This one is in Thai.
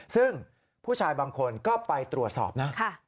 ซึ่งผู้ชายบางคนก็ไปตรวจสอบนะ